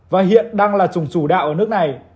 và hiện đang là chủng chủ đạo ở nước này